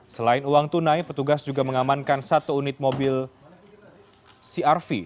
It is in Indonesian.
selain uang tunai petugas juga mengamankan satu unit mobil crv